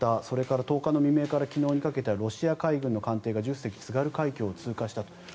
それから１０日未明から昨日にかけてロシア海軍の艦艇が１０隻、津軽海峡を通過したと。